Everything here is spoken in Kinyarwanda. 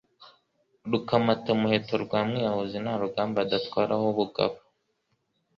Rukamatamuheto rwa mwiyahuzi nta rugamba adatwaraho ubugabo